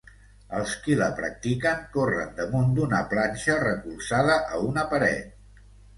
Els qui la practiquen corren damunt d'una planxa recolzada a una paret.